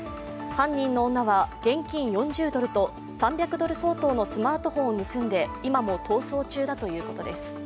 犯人の女は現金４０ドルと３００ドル相当のスマートフォンを盗んで今も逃走中だということです。